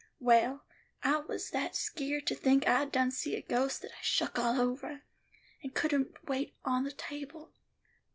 "Well, I was that skeered to think I'd done seen a ghost, that I shuck all over, and couldn't wait on the table.